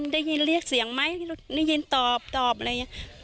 ได้ยินเรียกเสียงไหมได้ยินตอบตอบอะไรอย่างนี้